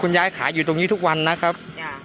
ยายขายอยู่ตรงนี้ทุกวันนะครับ